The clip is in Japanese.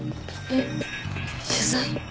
えっ取材？